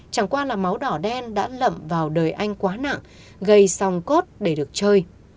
chẳng qua là máu đỏ đen đã lậm vào đời anh quá nặng gây song cốt để được chơi